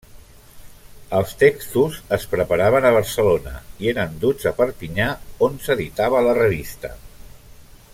Els textos es preparaven a Barcelona i eren duts a Perpinyà, on s'editava la revista.